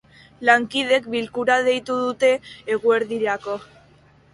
Lankideek bilkura deitu dute eguerdirako.